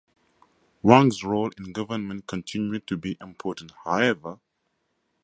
Wang's role in government continued to be important, however.